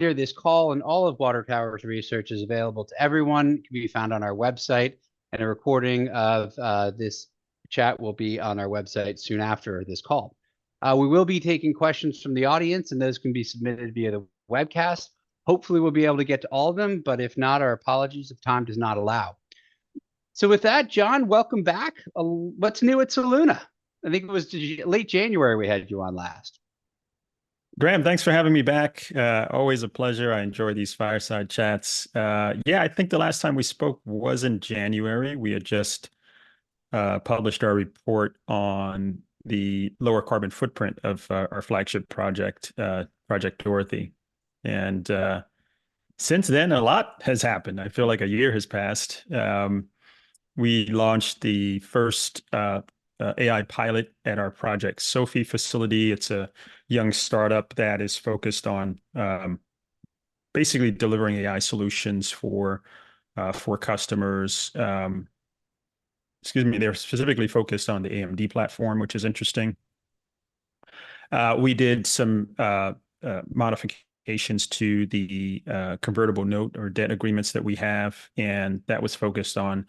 This call and all of Water Tower Research is available to everyone. It can be found on our website, and a recording of this chat will be on our website soon after this call. We will be taking questions from the audience, and those can be submitted via the webcast. Hopefully, we'll be able to get to all of them, but if not, our apologies if time does not allow. With that, John, welcome back. What's new at Soluna? I think it was late January we had you on last. Graham, thanks for having me back. Always a pleasure. I enjoy these fireside chats. Yeah, I think the last time we spoke was in January. We had just published our report on the lower carbon footprint of our flagship project, Project Dorothy. And since then, a lot has happened. I feel like a year has passed. We launched the first AI pilot at our Project Sophie facility. It's a young startup that is focused on basically delivering AI solutions for customers. Excuse me, they're specifically focused on the AMD platform, which is interesting. We did some modifications to the convertible note or debt agreements that we have, and that was focused on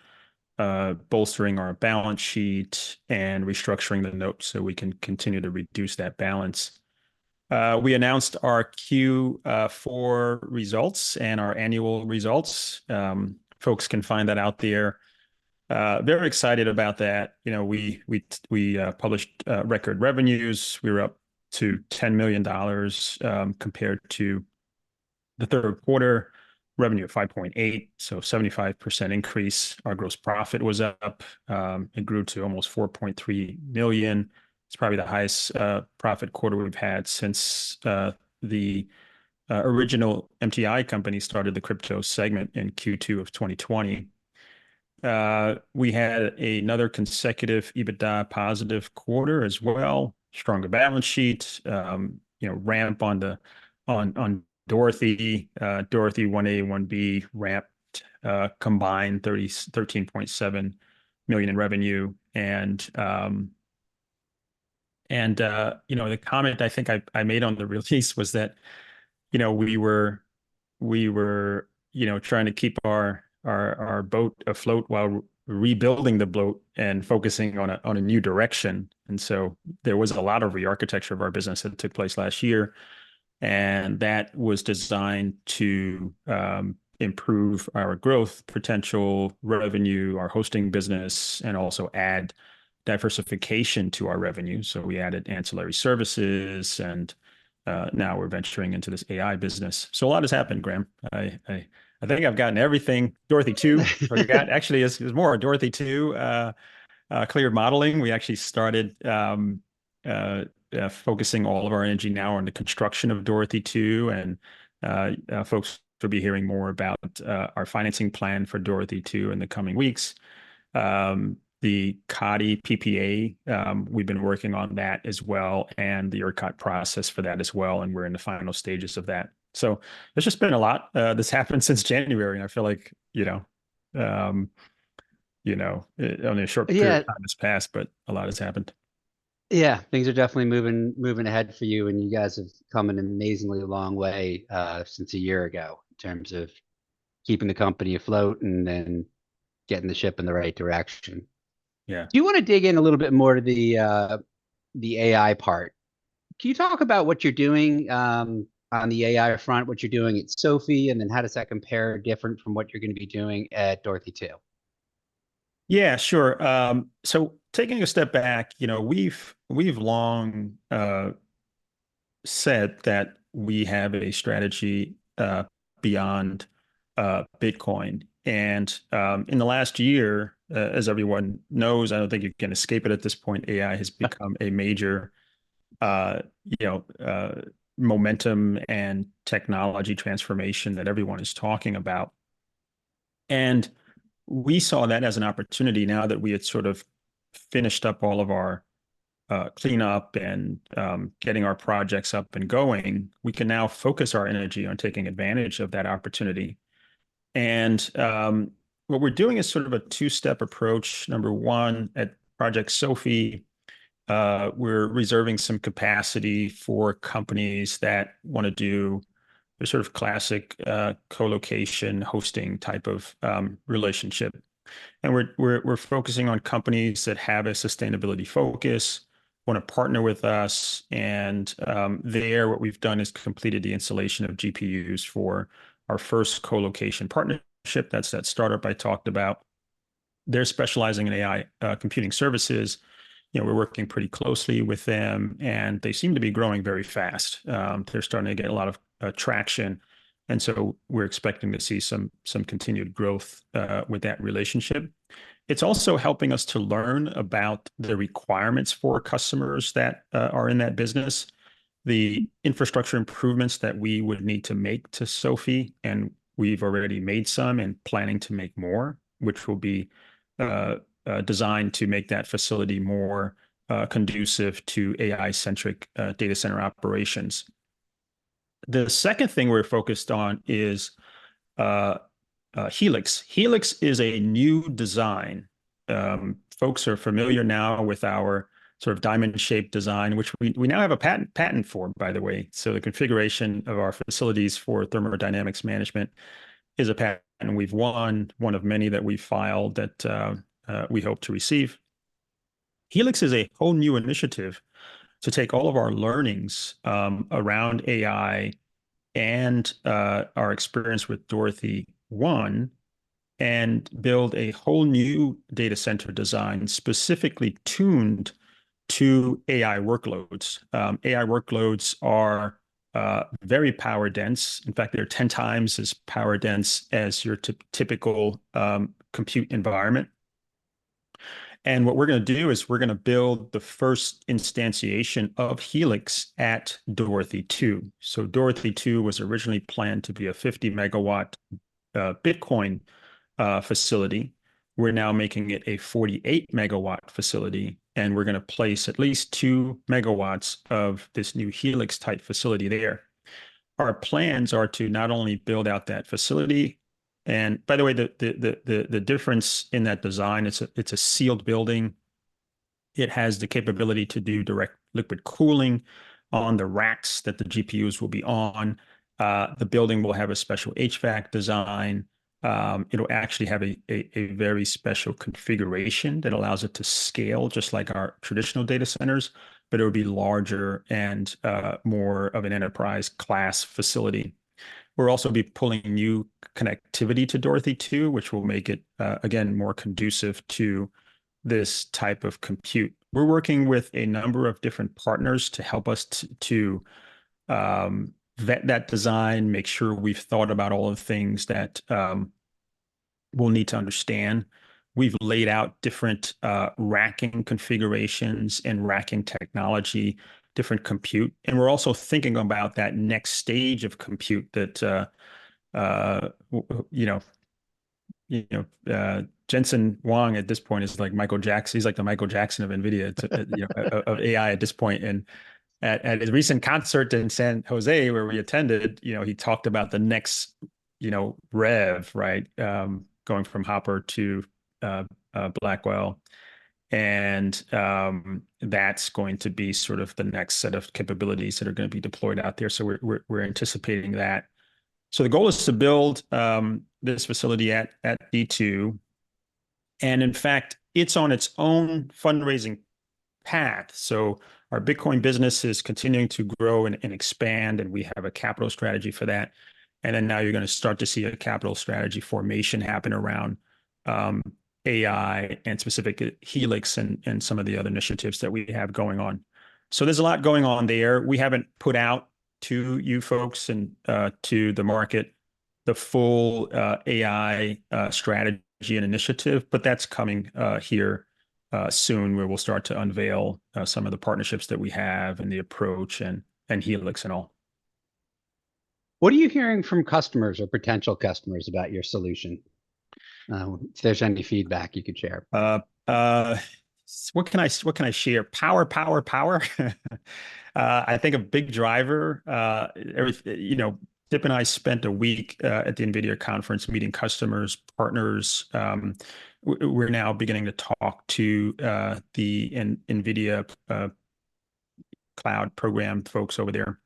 bolstering our balance sheet and restructuring the note so we can continue to reduce that balance. We announced our Q4 results and our annual results. Folks can find that out there. Very excited about that. We published record revenues. We were up to $10 million compared to the third quarter revenue of $5.8 million, so a 75% increase. Our gross profit was up. It grew to almost $4.3 million. It's probably the highest profit quarter we've had since the original MTI company started the crypto segment in Q2 of 2020. We had another consecutive EBITDA positive quarter as well. Stronger balance sheet. Ramp on Dorothy. Dorothy 1A, 1B ramped combined $13.7 million in revenue. And the comment I think I made on the release was that we were trying to keep our boat afloat while rebuilding the boat and focusing on a new direction. And so there was a lot of rearchitecture of our business that took place last year, and that was designed to improve our growth potential, revenue, our hosting business, and also add diversification to our revenue. So we added ancillary services, and now we're venturing into this AI business. So a lot has happened, Graham. I think I've gotten everything. Dorothy 2, I forgot. Actually, there's more. Dorothy 2, clear modeling. We actually started focusing all of our energy now on the construction of Dorothy 2, and folks will be hearing more about our financing plan for Dorothy 2 in the coming weeks. The Kati PPA, we've been working on that as well, and the ERCOT process for that as well, and we're in the final stages of that. So there's just been a lot. This happened since January, and I feel like only a short period of time has passed, but a lot has happened. Yeah, things are definitely moving ahead for you, and you guys have come an amazingly long way since a year ago in terms of keeping the company afloat and then getting the ship in the right direction. Do you want to dig in a little bit more to the AI part? Can you talk about what you're doing on the AI front, what you're doing at Sophie, and then how does that compare different from what you're going to be doing at Dorothy 2? Yeah, sure. So taking a step back, we've long said that we have a strategy beyond Bitcoin. And in the last year, as everyone knows, I don't think you can escape it at this point, AI has become a major momentum and technology transformation that everyone is talking about. And we saw that as an opportunity now that we had sort of finished up all of our cleanup and getting our projects up and going. We can now focus our energy on taking advantage of that opportunity. And what we're doing is sort of a two-step approach. Number one, at Project Sophie, we're reserving some capacity for companies that want to do the sort of classic colocation hosting type of relationship. And we're focusing on companies that have a sustainability focus, want to partner with us. And there, what we've done is completed the installation of GPUs for our first colocation partnership. That's that startup I talked about. They're specializing in AI computing services. We're working pretty closely with them, and they seem to be growing very fast. They're starting to get a lot of traction, and so we're expecting to see some continued growth with that relationship. It's also helping us to learn about the requirements for customers that are in that business, the infrastructure improvements that we would need to make to Sophie, and we've already made some and planning to make more, which will be designed to make that facility more conducive to AI-centric data center operations. The second thing we're focused on is Helix. Helix is a new design. Folks are familiar now with our sort of diamond-shaped design, which we now have a patent for, by the way. So the configuration of our facilities for thermodynamics management is a patent we've won, one of many that we've filed that we hope to receive. Helix is a whole new initiative to take all of our learnings around AI and our experience with Dorothy 1 and build a whole new data center design specifically tuned to AI workloads. AI workloads are very power-dense. In fact, they're 10 times as power-dense as your typical compute environment. And what we're going to do is we're going to build the first instantiation of Helix at Dorothy 2. So Dorothy 2 was originally planned to be a 50-MW Bitcoin facility. We're now making it a 48-MW facility, and we're going to place at least 2 MW of this new Helix-type facility there. Our plans are to not only build out that facility, and by the way, the difference in that design, it's a sealed building. It has the capability to do direct liquid cooling on the racks that the GPUs will be on. The building will have a special HVAC design. It'll actually have a very special configuration that allows it to scale just like our traditional data centers, but it'll be larger and more of an enterprise-class facility. We'll also be pulling new connectivity to Dorothy 2, which will make it, again, more conducive to this type of compute. We're working with a number of different partners to help us to vet that design, make sure we've thought about all of the things that we'll need to understand. We've laid out different racking configurations and racking technology, different compute. We're also thinking about that next stage of compute that Jensen Huang at this point is like Michael Jackson. He's like the Michael Jackson of NVIDIA of AI at this point. And at his recent concert in San Jose, where we attended, he talked about the next rev, right, going from Hopper to Blackwell. And that's going to be sort of the next set of capabilities that are going to be deployed out there. So we're anticipating that. So the goal is to build this facility at D2. And in fact, it's on its own fundraising path. So our Bitcoin business is continuing to grow and expand, and we have a capital strategy for that. And then now you're going to start to see a capital strategy formation happen around AI and specifically Helix and some of the other initiatives that we have going on. There's a lot going on there. We haven't put out to you folks and to the market the full AI strategy and initiative, but that's coming here soon where we'll start to unveil some of the partnerships that we have and the approach and Helix and all. What are you hearing from customers or potential customers about your solution? If there's any feedback you could share. What can I share? Power, power, power. I think a big driver. Dip and I spent a week at the NVIDIA conference meeting customers, partners. We're now beginning to talk to the NVIDIA cloud program folks over there.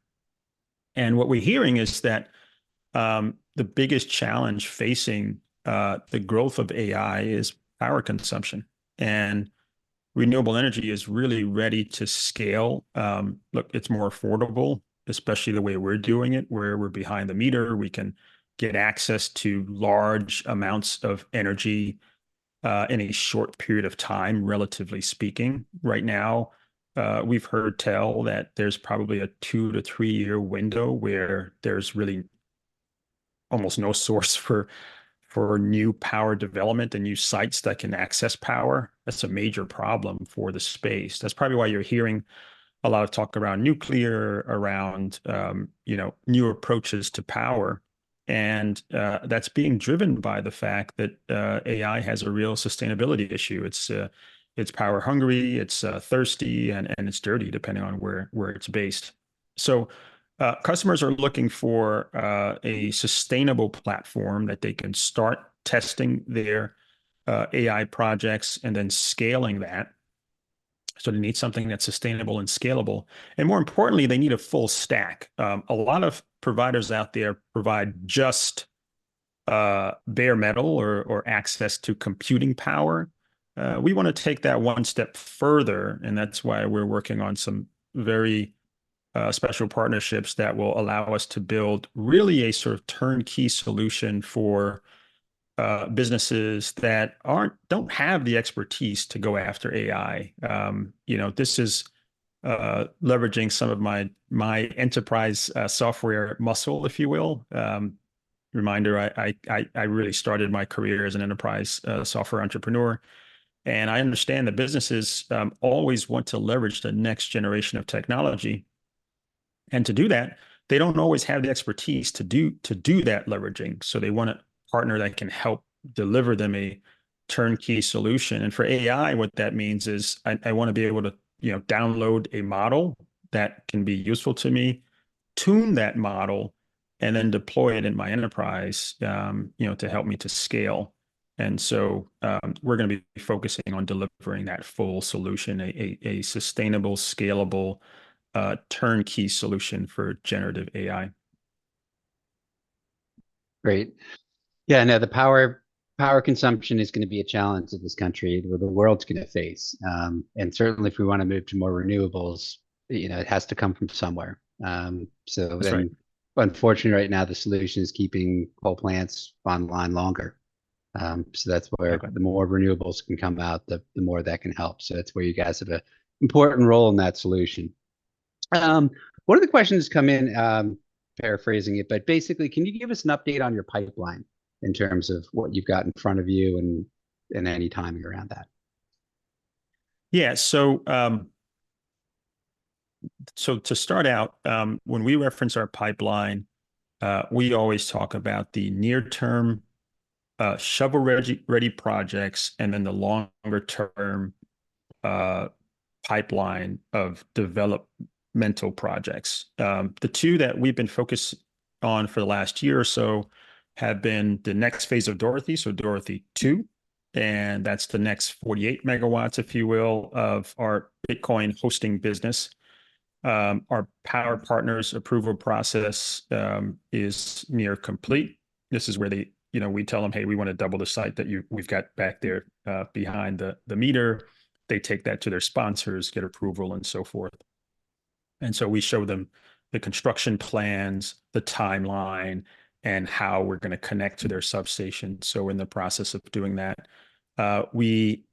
And what we're hearing is that the biggest challenge facing the growth of AI is power consumption. And renewable energy is really ready to scale. Look, it's more affordable, especially the way we're doing it, where we're behind the meter. We can get access to large amounts of energy in a short period of time, relatively speaking. Right now, we've heard tell that there's probably a two to three year window where there's really almost no source for new power development and new sites that can access power. That's a major problem for the space. That's probably why you're hearing a lot of talk around nuclear, around new approaches to power. That's being driven by the fact that AI has a real sustainability issue. It's power-hungry, it's thirsty, and it's dirty, depending on where it's based. Customers are looking for a sustainable platform that they can start testing their AI projects and then scaling that. They need something that's sustainable and scalable. More importantly, they need a full stack. A lot of providers out there provide just bare metal or access to computing power. We want to take that one step further, and that's why we're working on some very special partnerships that will allow us to build really a sort of turnkey solution for businesses that don't have the expertise to go after AI. This is leveraging some of my enterprise software muscle, if you will. Reminder, I really started my career as an enterprise software entrepreneur. I understand that businesses always want to leverage the next generation of technology. To do that, they don't always have the expertise to do that leveraging. They want a partner that can help deliver them a turnkey solution. For AI, what that means is I want to be able to download a model that can be useful to me, tune that model, and then deploy it in my enterprise to help me to scale. We're going to be focusing on delivering that full solution, a sustainable, scalable, turnkey solution for generative AI. Great. Yeah, no, the power consumption is going to be a challenge in this country where the world's going to face. And certainly, if we want to move to more renewables, it has to come from somewhere. So unfortunately, right now, the solution is keeping coal plants online longer. So that's where the more renewables can come out, the more that can help. So that's where you guys have an important role in that solution. One of the questions has come in, paraphrasing it, but basically, can you give us an update on your pipeline in terms of what you've got in front of you and any timing around that? Yeah, so to start out, when we reference our pipeline, we always talk about the near-term shovel-ready projects and then the longer-term pipeline of developmental projects. The two that we've been focused on for the last year or so have been the next phase of Dorothy, so Dorothy 2. And that's the next 48 MW, if you will, of our Bitcoin hosting business. Our power partner's approval process is near complete. This is where we tell them, "Hey, we want to double the site that we've got back there behind the meter." They take that to their sponsors, get approval, and so forth. And so we show them the construction plans, the timeline, and how we're going to connect to their substation. So in the process of doing that, we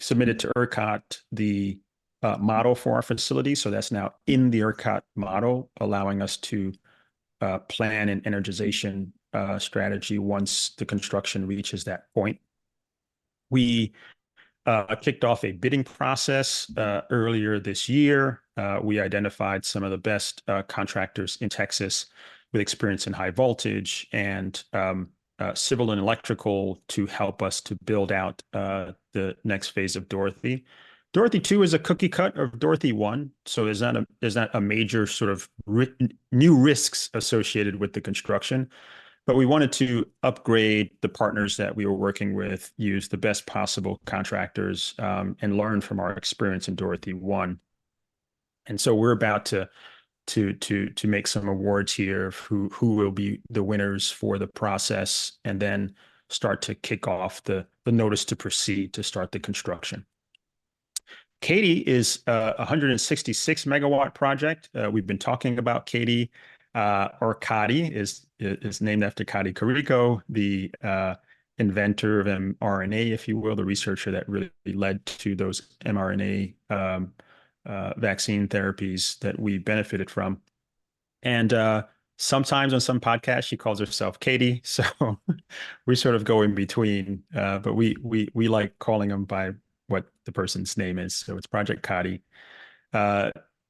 submitted to ERCOT the model for our facility. So that's now in the ERCOT model, allowing us to plan an energization strategy once the construction reaches that point. We kicked off a bidding process earlier this year. We identified some of the best contractors in Texas with experience in high voltage and civil and electrical to help us to build out the next phase of Dorothy. Dorothy 2 is a cookie-cutter of Dorothy 1. So there's not a major sort of new risks associated with the construction. But we wanted to upgrade the partners that we were working with, use the best possible contractors, and learn from our experience in Dorothy 1. And so we're about to make some awards here of who will be the winners for the process and then start to kick off the notice to proceed to start the construction. Kati is a 166-MW project we've been talking about. Kati or Kati is named after Kati Karikó, the inventor of mRNA, if you will, the researcher that really led to those mRNA vaccine therapies that we benefited from. And sometimes on some podcasts, she calls herself Kati. So we sort of go in between, but we like calling them by what the person's name is. So it's Project Kati.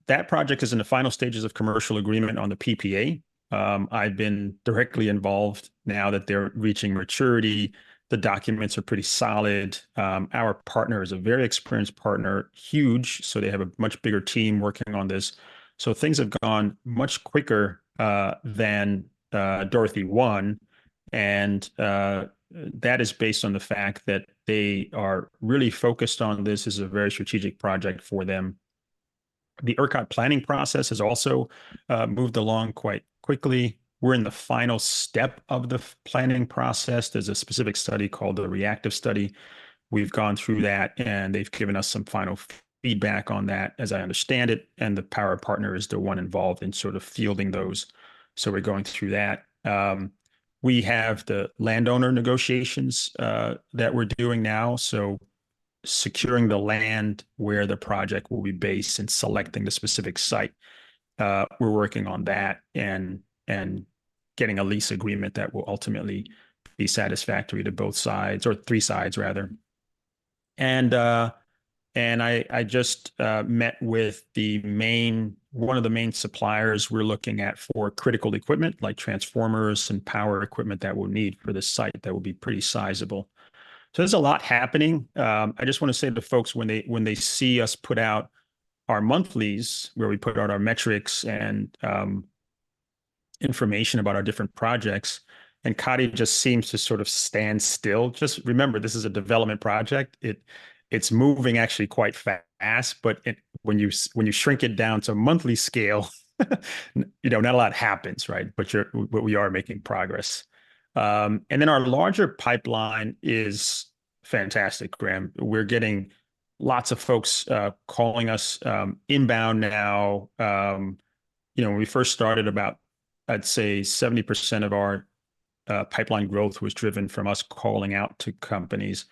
That project is in the final stages of commercial agreement on the PPA. I've been directly involved now that they're reaching maturity. The documents are pretty solid. Our partner is a very experienced partner, huge. So they have a much bigger team working on this. So things have gone much quicker than Dorothy 1. And that is based on the fact that they are really focused on this as a very strategic project for them. The ERCOT planning process has also moved along quite quickly. We're in the final step of the planning process. There's a specific study called the reactive study. We've gone through that, and they've given us some final feedback on that, as I understand it. The power partner is the one involved in sort of fielding those. We're going through that. We have the landowner negotiations that we're doing now. Securing the land where the project will be based and selecting the specific site, we're working on that and getting a lease agreement that will ultimately be satisfactory to both sides or three sides, rather. I just met with one of the main suppliers we're looking at for critical equipment, like transformers and power equipment that we'll need for this site that will be pretty sizable. There's a lot happening. I just want to say to folks, when they see us put out our monthlies where we put out our metrics and information about our different projects, and Kati just seems to sort of stand still. Just remember, this is a development project. It's moving actually quite fast. But when you shrink it down to monthly scale, not a lot happens, right? But we are making progress. And then our larger pipeline is fantastic, Graham. We're getting lots of folks calling us inbound now. When we first started, about, I'd say, 70% of our pipeline growth was driven from us calling out to companies.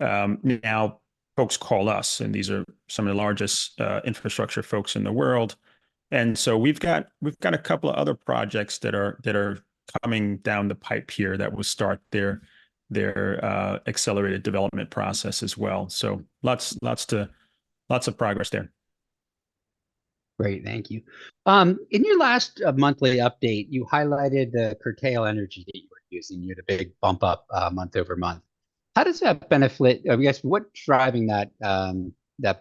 Now, folks call us, and these are some of the largest infrastructure folks in the world. And so we've got a couple of other projects that are coming down the pipe here that will start their accelerated development process as well. So lots of progress there. Great. Thank you. In your last monthly update, you highlighted the curtailed energy that you were using. You had a big bump-up month-over-month. How does that benefit, I guess, what's driving that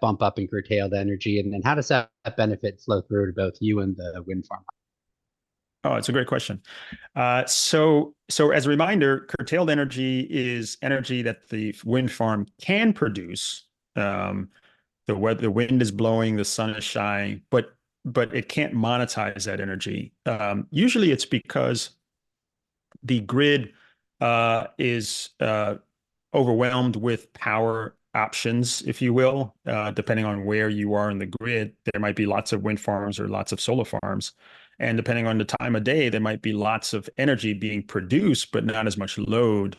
bump-up in curtailed energy? And then how does that benefit flow through to both you and the wind farm? Oh, it's a great question. So as a reminder, curtailed energy is energy that the wind farm can produce. The wind is blowing, the sun is shining, but it can't monetize that energy. Usually, it's because the grid is overwhelmed with power options, if you will. Depending on where you are in the grid, there might be lots of wind farms or lots of solar farms. And depending on the time of day, there might be lots of energy being produced, but not as much load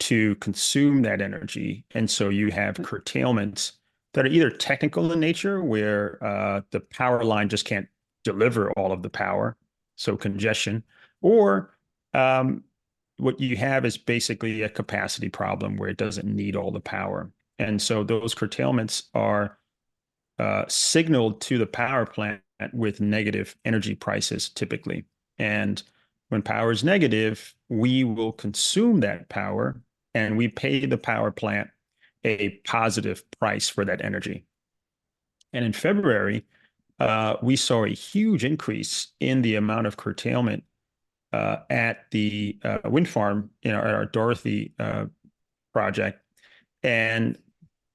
to consume that energy. And so you have curtailments that are either technical in nature, where the power line just can't deliver all of the power, so congestion, or what you have is basically a capacity problem where it doesn't need all the power. And so those curtailments are signaled to the power plant with negative energy prices, typically. When power is negative, we will consume that power, and we pay the power plant a positive price for that energy. In February, we saw a huge increase in the amount of curtailment at the wind farm, at our Project Dorothy.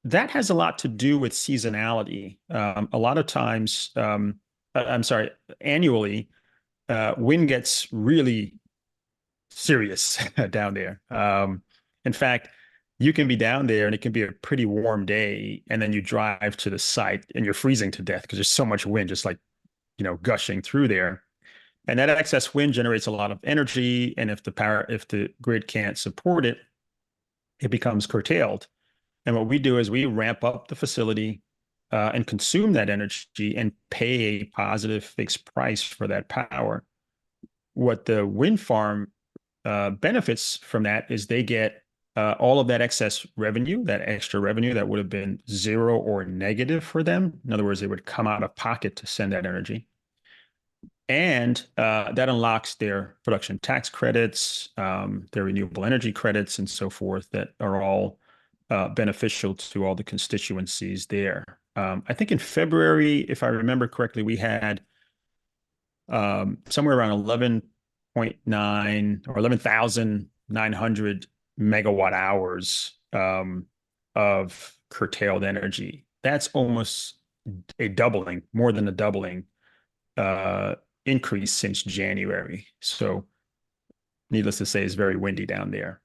That has a lot to do with seasonality. A lot of times I'm sorry, annually, wind gets really serious down there. In fact, you can be down there, and it can be a pretty warm day, and then you drive to the site, and you're freezing to death because there's so much wind just gushing through there. That excess wind generates a lot of energy. If the grid can't support it, it becomes curtailed. What we do is we ramp up the facility and consume that energy and pay a positive fixed price for that power. What the wind farm benefits from that is they get all of that excess revenue, that extra revenue that would have been zero or negative for them. In other words, they would come out of pocket to send that energy. That unlocks their production tax credits, their renewable energy credits, and so forth that are all beneficial to all the constituencies there. I think in February, if I remember correctly, we had somewhere around 11.9 or 11,900 MWh of curtailed energy. That's almost a doubling, more than a doubling increase since January. Needless to say, it's very windy down there.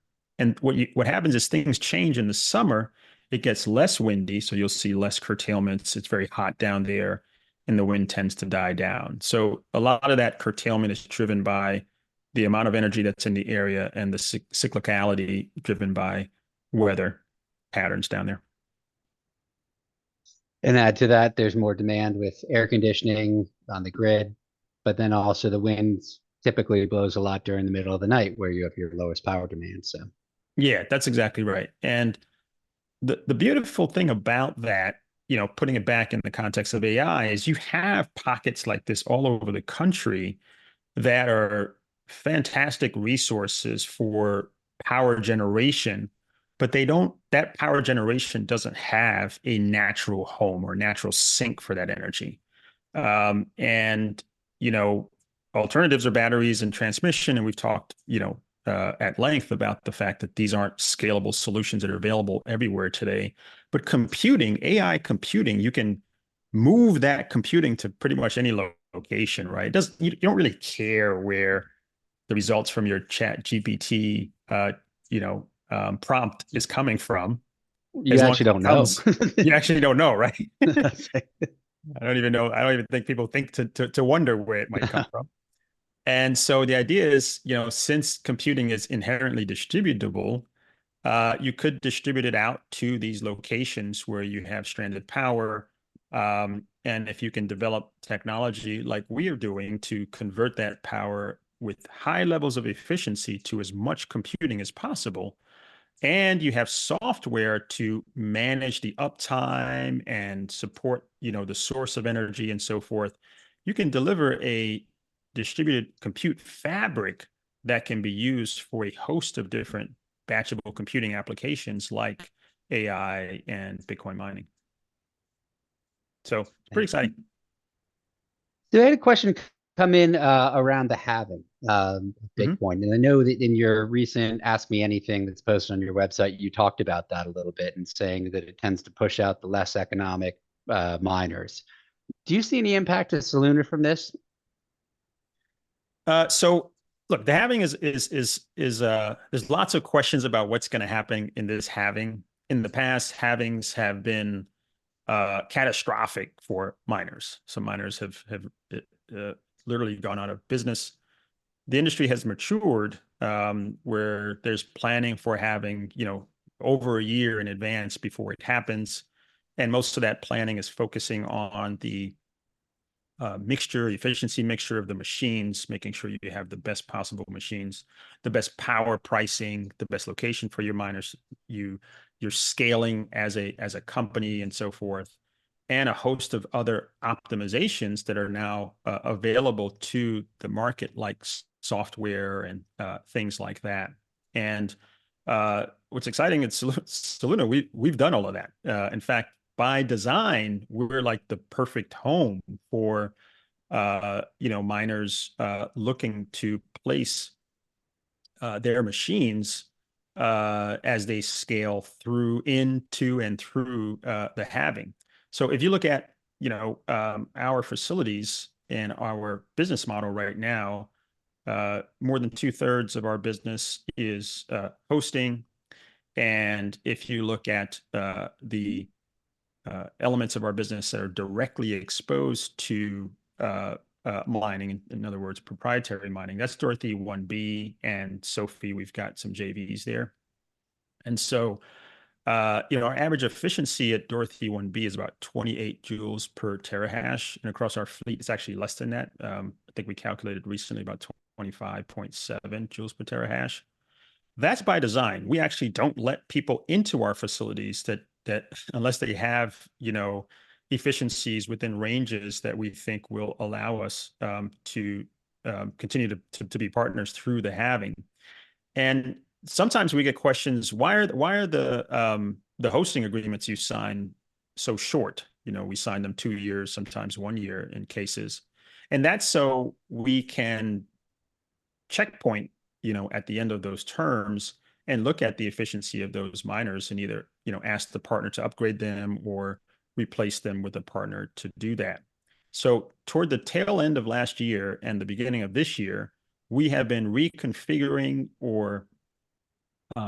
What happens is things change. In the summer, it gets less windy, so you'll see less curtailments. It's very hot down there, and the wind tends to die down. A lot of that curtailment is driven by the amount of energy that's in the area and the cyclicality driven by weather patterns down there. Add to that, there's more demand with air conditioning on the grid, but then also the wind typically blows a lot during the middle of the night where you have your lowest power demand, so. Yeah, that's exactly right. And the beautiful thing about that, putting it back in the context of AI, is you have pockets like this all over the country that are fantastic resources for power generation, but that power generation doesn't have a natural home or natural sink for that energy. And alternatives are batteries and transmission. And we've talked at length about the fact that these aren't scalable solutions that are available everywhere today. But AI computing, you can move that computing to pretty much any location, right? You don't really care where the results from your ChatGPT prompt is coming from. You actually don't know. You actually don't know, right? I don't even think people think to wonder where it might come from. And so the idea is, since computing is inherently distributable, you could distribute it out to these locations where you have stranded power. And if you can develop technology like we are doing to convert that power with high levels of efficiency to as much computing as possible, and you have software to manage the uptime and support the source of energy and so forth, you can deliver a distributed compute fabric that can be used for a host of different batchable computing applications like AI and Bitcoin mining. So it's pretty exciting. I had a question come in around the halving of Bitcoin. And I know that in your recent Ask Me Anything that's posted on your website, you talked about that a little bit and saying that it tends to push out the less economic miners. Do you see any impact to Soluna from this? So look, the halving is there's lots of questions about what's going to happen in this halving. In the past, halvings have been catastrophic for miners. So miners have literally gone out of business. The industry has matured where there's planning for halving over a year in advance before it happens. And most of that planning is focusing on the efficiency mixture of the machines, making sure you have the best possible machines, the best power pricing, the best location for your miners. You're scaling as a company and so forth, and a host of other optimizations that are now available to the market, like software and things like that. And what's exciting at Soluna, we've done all of that. In fact, by design, we're like the perfect home for miners looking to place their machines as they scale through into and through the halving. So if you look at our facilities and our business model right now, more than two-thirds of our business is hosting. And if you look at the elements of our business that are directly exposed to mining, in other words, proprietary mining, that's Dorothy 1B and Sophie. We've got some JVs there. And so our average efficiency at Dorothy 1B is about 28 J/TH. And across our fleet, it's actually less than that. I think we calculated recently about 25.7 J/TH. That's by design. We actually don't let people into our facilities unless they have efficiencies within ranges that we think will allow us to continue to be partners through the halving. And sometimes we get questions, why are the hosting agreements you sign so short? We sign them two years, sometimes 1 year in cases. That's so we can checkpoint at the end of those terms and look at the efficiency of those miners and either ask the partner to upgrade them or replace them with a partner to do that. Toward the tail end of last year and the beginning of this year, we have been reconfiguring or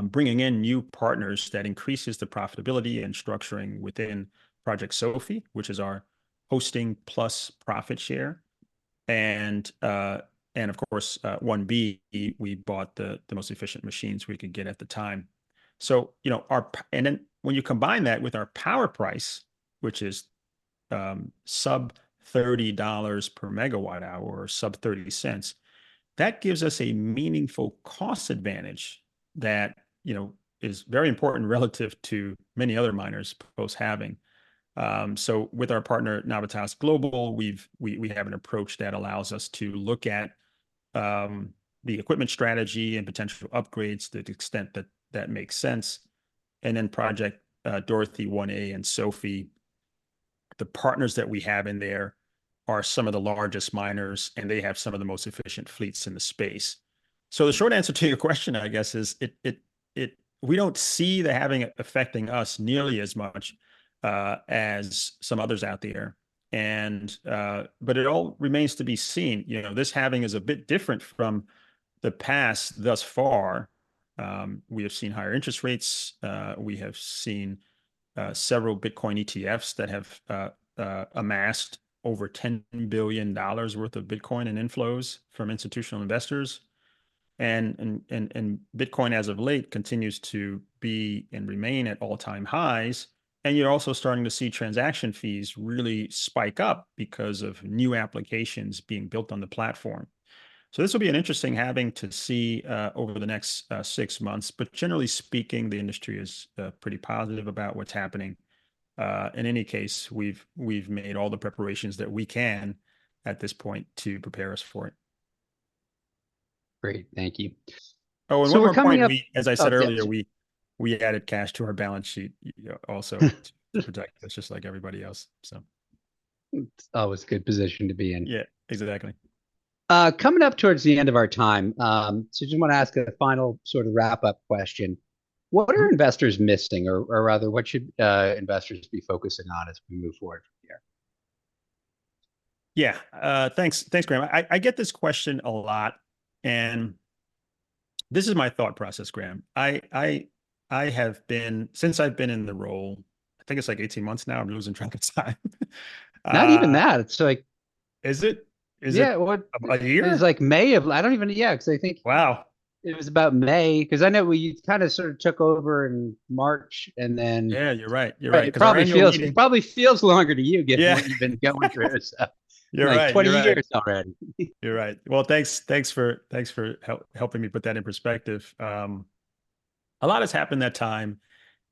bringing in new partners that increases the profitability and structuring within Project Sophie, which is our hosting plus profit share. Of course, 1B, we bought the most efficient machines we could get at the time. Then when you combine that with our power price, which is sub-$30 per MWh or sub-$0.30, that gives us a meaningful cost advantage that is very important relative to many other miners post-halving. So with our partner, Navitas Global, we have an approach that allows us to look at the equipment strategy and potential upgrades to the extent that makes sense. And then Project Dorothy 1A and Sophie, the partners that we have in there are some of the largest miners, and they have some of the most efficient fleets in the space. So the short answer to your question, I guess, is we don't see the halving affecting us nearly as much as some others out there. But it all remains to be seen. This halving is a bit different from the past thus far. We have seen higher interest rates. We have seen several Bitcoin ETFs that have amassed over $10 billion worth of Bitcoin in inflows from institutional investors. And Bitcoin, as of late, continues to be and remain at all-time highs. You're also starting to see transaction fees really spike up because of new applications being built on the platform. This will be an interesting having to see over the next six months. Generally speaking, the industry is pretty positive about what's happening. In any case, we've made all the preparations that we can at this point to prepare us for it. Great. Thank you. Oh, and one more point, as I said earlier, we added cash to our balance sheet also to protect us, just like everybody else, so. Always good position to be in. Yeah, exactly. Coming up towards the end of our time, so I just want to ask a final sort of wrap-up question. What are investors missing, or rather, what should investors be focusing on as we move forward from here? Yeah, thanks, Graham. I get this question a lot. This is my thought process, Graham. Since I've been in the role I think it's like 18 months now. I'm losing track of time. Not even that. It's like. Is it? Is it a year? Yeah, what? It was like May of yeah, because I think. Wow. It was about May because I know you kind of sort of took over in March, and then. Yeah, you're right. You're right. It probably feels longer to you given what you've been going through, so. You're right. Like 20 years already. You're right. Well, thanks for helping me put that in perspective. A lot has happened that time.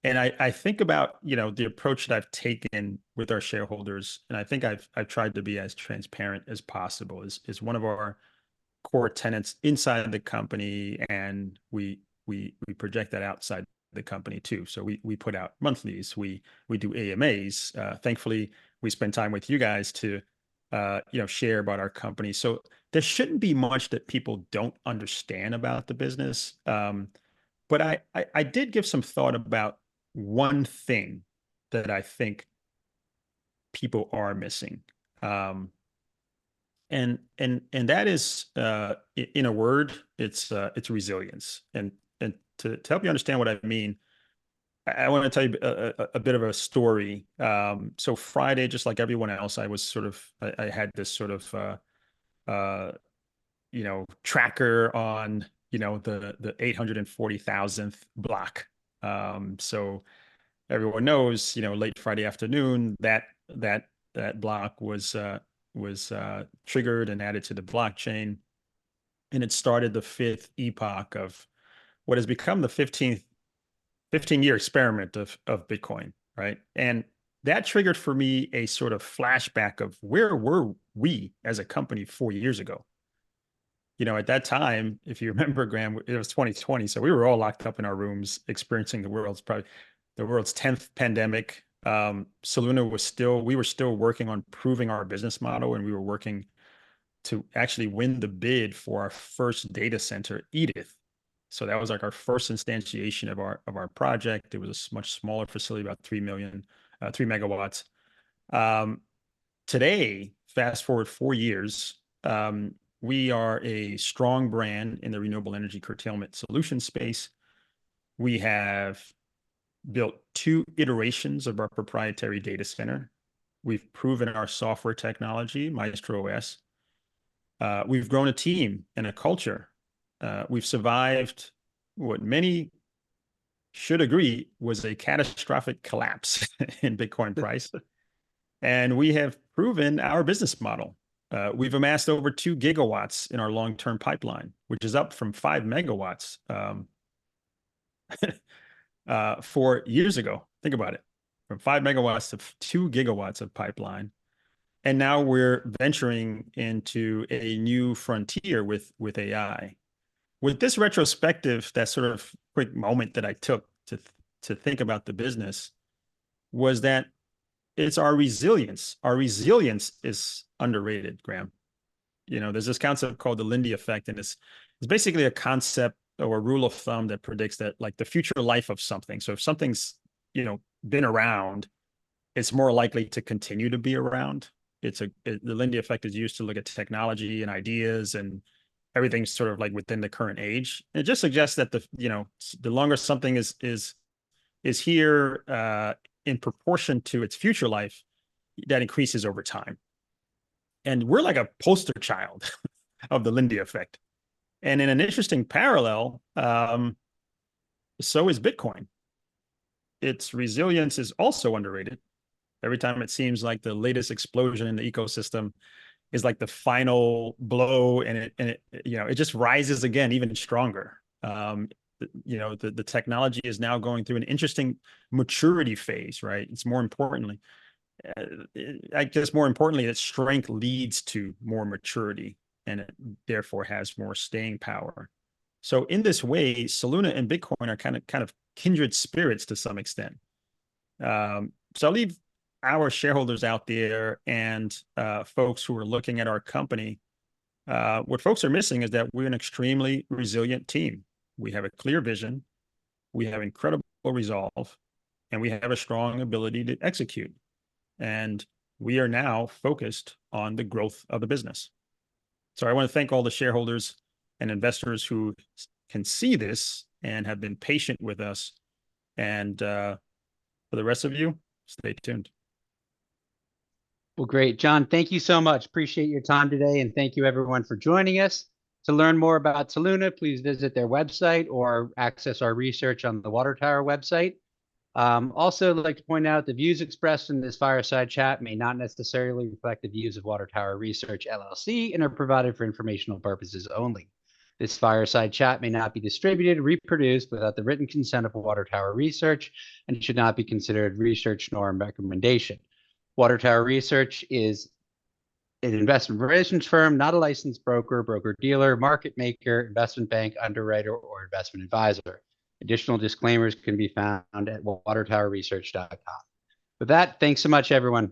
I think about the approach that I've taken with our shareholders, and I think I've tried to be as transparent as possible, is one of our core tenets inside the company, and we project that outside the company too. So we put out monthlies. We do AMAs. Thankfully, we spend time with you guys to share about our company. So there shouldn't be much that people don't understand about the business. But I did give some thought about one thing that I think people are missing. That is, in a word, it's resilience. To help you understand what I mean, I want to tell you a bit of a story. So Friday, just like everyone else, I had this sort of tracker on the 840,000th block. So everyone knows, late Friday afternoon, that block was triggered and added to the blockchain. And it started the 5th epoch of what has become the 15-year experiment of Bitcoin, right? And that triggered for me a sort of flashback of where were we as a company 4 years ago? At that time, if you remember, Graham, it was 2020. So we were all locked up in our rooms experiencing the world's 10th pandemic. Soluna was still working on proving our business model, and we were working to actually win the bid for our first data center, Edith. So that was our first instantiation of our project. It was a much smaller facility, about 3 MW. Today, fast forward 4 years, we are a strong brand in the renewable energy curtailment solution space. We have built two iterations of our proprietary data center. We've proven our software technology, MaestroOS. We've grown a team and a culture. We've survived what many should agree was a catastrophic collapse in Bitcoin price. We have proven our business model. We've amassed over 2 GW in our long-term pipeline, which is up from 5 MW four years ago. Think about it, from 5 MW to 2 GW of pipeline. And now we're venturing into a new frontier with AI. With this retrospective, that sort of quick moment that I took to think about the business was that it's our resilience. Our resilience is underrated, Graham. There's this concept called the Lindy effect, and it's basically a concept or a rule of thumb that predicts the future life of something. So if something's been around, it's more likely to continue to be around. The Lindy effect is used to look at technology and ideas and everything's sort of within the current age. It just suggests that the longer something is here in proportion to its future life, that increases over time. We're like a poster child of the Lindy effect. In an interesting parallel, so is Bitcoin. Its resilience is also underrated. Every time it seems like the latest explosion in the ecosystem is the final blow, and it just rises again, even stronger. The technology is now going through an interesting maturity phase, right? I guess more importantly, its strength leads to more maturity, and it therefore has more staying power. In this way, Soluna and Bitcoin are kind of kind of kindred spirits to some extent. I'll leave our shareholders out there and folks who are looking at our company. What folks are missing is that we're an extremely resilient team. We have a clear vision. We have incredible resolve. We have a strong ability to execute. We are now focused on the growth of the business. So I want to thank all the shareholders and investors who can see this and have been patient with us. And for the rest of you, stay tuned. Well, great, John. Thank you so much. Appreciate your time today. And thank you, everyone, for joining us. To learn more about Soluna, please visit their website or access our research on the Water Tower website. Also, I'd like to point out the views expressed in this fireside chat may not necessarily reflect the views of Water Tower Research, LLC, and are provided for informational purposes only. This fireside chat may not be distributed or reproduced without the written consent of Water Tower Research and should not be considered research nor a recommendation. Water Tower Research is an investment management firm, not a licensed broker, broker-dealer, market maker, investment bank underwriter, or investment advisor. Additional disclaimers can be found at watertowerresearch.com. With that, thanks so much, everyone.